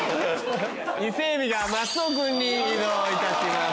伊勢海老が松尾君に移動いたします。